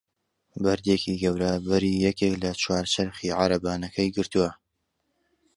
بەردێکی گەورە بەری یەکێک لە چوار چەرخی عەرەبانەکەی گرتبوو.